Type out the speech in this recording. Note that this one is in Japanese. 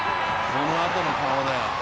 このあとの顔だよ、うん。